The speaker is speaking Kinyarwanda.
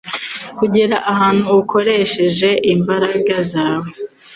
Kugera ahantu ukoresheje imbaraga zawe